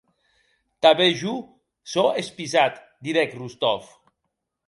Tanben jo sò espisat, didec Rostov.